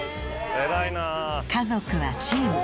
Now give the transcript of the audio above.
家族はチーム。